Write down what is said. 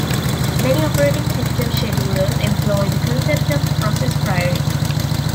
Many operating system schedulers employ the concept of process priority.